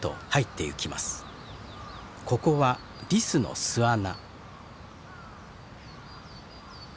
ここはリスの巣穴。